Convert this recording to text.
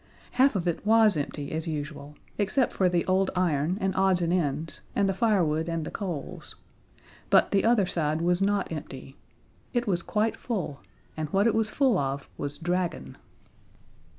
Half of it was empty as usual, except for the old iron and odds and ends, and the firewood and the coals. But the other side was not empty. It was quite full, and what it was full of was Dragon.